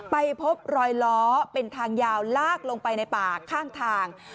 ไปพบรอยล้อเป็นทางยาวลากลงไปในป่าข้างทาง